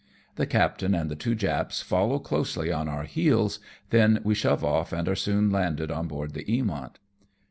The captain and the two Japs follow closely on our heels, then we shove off and are soon landed on board the Eamont.